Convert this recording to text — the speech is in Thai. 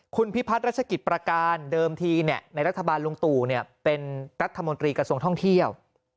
คุณพิพัฒน์รัชกิจประการเดิมทีในรัฐบาลลุงตู่เป็นรัฐมนตรีกระทรวงท่องเที่ยว